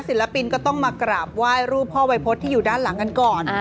ศิลปินก็ต้องมากราบไหว้รูปพ่อวัยพฤษที่อยู่ด้านหลังกันก่อน